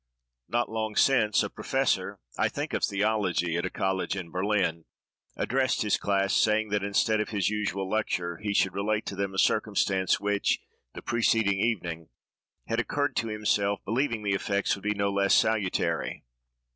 Not long since, a professor, I think of theology, at a college at Berlin, addressed his class, saying, that, instead of his usual lecture, he should relate to them a circumstance which, the preceding evening, had occurred to himself, believing the effects would be no less salutary.